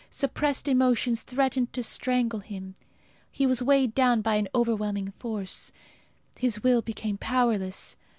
Suppressed emotions threatened to strangle him. He was weighed down by an overwhelming force. His will became powerless.